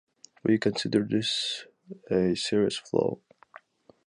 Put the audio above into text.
We consider this a serious flaw.